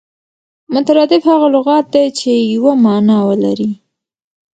مترادف هغه لغت دئ، چي یوه مانا ولري.